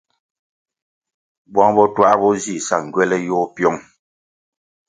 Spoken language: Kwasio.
Buang botuah bo zi sa ngywele yôh piong.